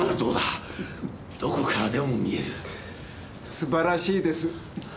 素晴らしいです。